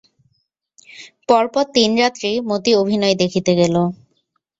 পর পর তিন রাত্রি মতি অভিনয় দেখিতে গেল।